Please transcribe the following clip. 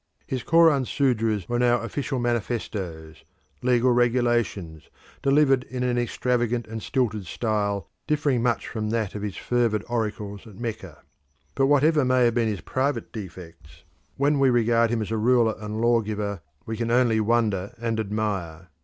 His Koran sudras were now official manifestoes, legal regulations, delivered in an extravagant and stilted style differing much from that of his fervid oracles at Mecca. But whatever may have been his private defects, when we regard him as a ruler and lawgiver we can only wonder and admire.